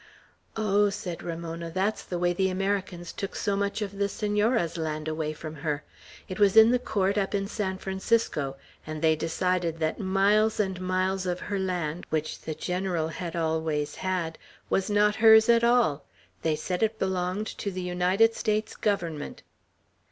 "Oh," said Ramona, "that's the way the Americans took so much of the Senora's land away from her. It was in the court up in San Francisco; and they decided that miles and miles of her land, which the General had always had, was not hers at all. They said it belonged to the United States Government."